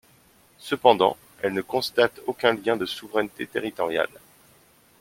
Cependant, elle ne constate aucun lien de souveraineté territoriale.